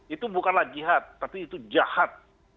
itu bukanlah jihad tapi itu jahat